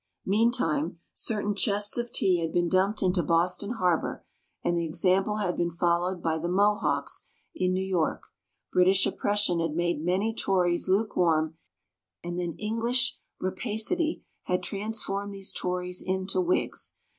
Meantime, certain chests of tea had been dumped into Boston Harbor, and the example had been followed by the "Mohawks" in New York. British oppression had made many Tories lukewarm, and then English rapacity had transformed these Tories into Whigs.